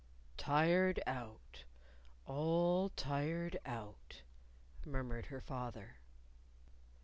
"Tired out all tired out," murmured her father.